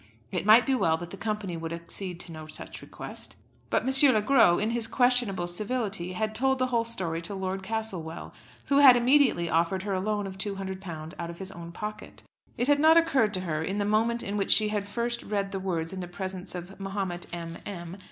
It might be well that the company would accede to no such request; but M. Le Gros, in his questionable civility, had told the whole story to Lord Castlewell, who had immediately offered her a loan of £200 out of his own pocket. It had not occurred to her in the moment in which she had first read the words in the presence of Mahomet M. M.